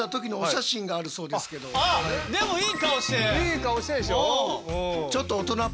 いい顔してるでしょ。